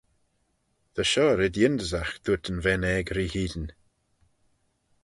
Ta shoh red yindysagh dooyrt yn ven aeg ree hene.